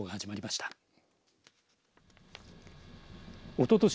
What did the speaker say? おととし